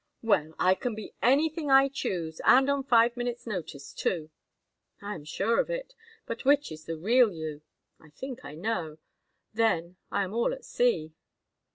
"Well, I can be anything I choose, and on five minutes' notice, too." "I am sure of it—but which is the real you? I think I know—then I am all at sea."